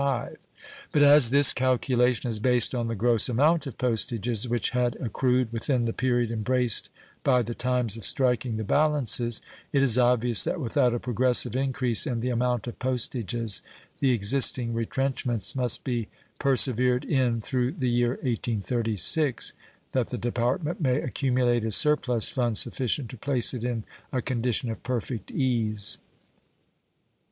But as this calculation is based on the gross amount of postages which had accrued within the period embraced by the times of striking the balances, it is obvious that without a progressive increase in the amount of postages the existing retrenchments must be persevered in through the year 1836 that the Department may accumulate a surplus fund sufficient to place it in a condition of perfect ease.